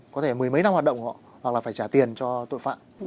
có thể mười mấy năm hoạt động hoặc là phải trả tiền cho tội phạm